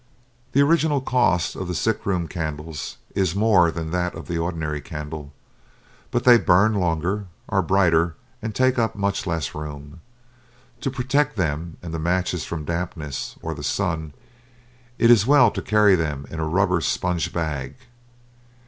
The original cost of the sick room candles is more than that of ordinary candles, but they burn longer, are brighter, and take up much less room. To protect them and the matches from dampness, or the sun, it is well to carry them in a rubber sponge bag.